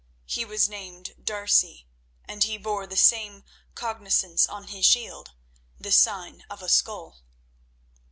"He was named D'Arcy, and he bore the same cognizance on his shield—the sign of a skull."